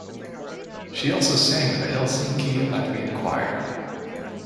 She also sang in the Helsinki Latvian Choir.